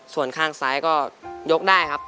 ส่วนข้างซ้ายก็ยกได้ครับ